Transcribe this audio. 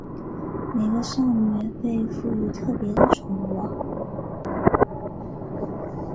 每个少女被赋与特别的宠物。